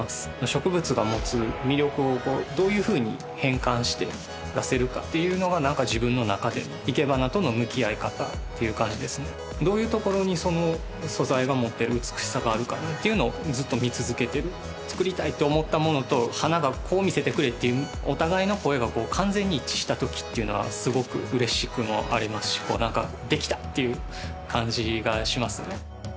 植物が持つ魅力をどういうふうに変換して出せるかっていうのが何か自分の中でいけばなとの向き合い方っていう感じですねどういうところにその素材が持ってる美しさがあるかっていうのをずっと見続けてる作りたいって思ったものと花がこう見せてくれっていうお互いの声が完全に一致したときっていうのはすごく嬉しくもありますし何かできたっていう感じがしますね